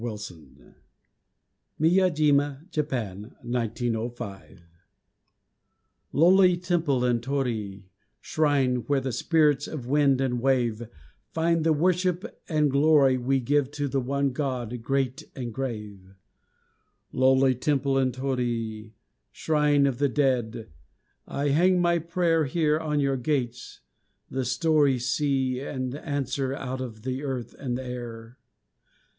SHINTO (MIYAJIMA, JAPAN, 1905) Lowly temple and torii, Shrine where the spirits of wind and wave Find the worship and glory we Give to the one God great and grave Lowly temple and torii, Shrine of the dead, I hang my prayer Here on your gates the story see And answer out of the earth and air.